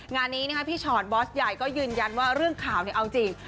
งานนี้พี่ชอตบอสใหญ่ก็ยืนยันว่าเรื่องข่าวเอาจริง